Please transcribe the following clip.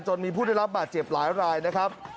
มีผู้ได้รับบาดเจ็บหลายรายนะครับ